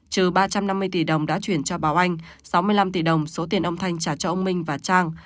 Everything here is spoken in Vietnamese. trừ ba trăm năm mươi tỷ đồng đã chuyển cho bảo anh sáu mươi năm tỷ đồng số tiền ông thanh trả cho ông minh và trang